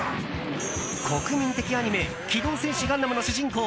国民的アニメ「機動戦士ガンダム」の主人公